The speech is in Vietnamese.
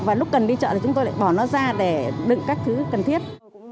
và lúc cần đi chợ thì chúng tôi lại bỏ nó ra để đựng các thứ cần thiết